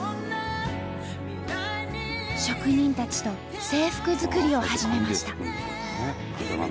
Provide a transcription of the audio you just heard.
職人たちと制服作りを始めました。